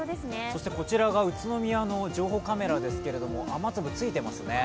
そしてこちらが宇都宮の情報カメラですけれども雨粒、ついてますね。